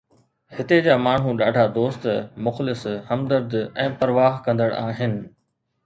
هتي جا ماڻهو ڏاڍا دوست، مخلص، همدرد ۽ پرواهه ڪندڙ آهن.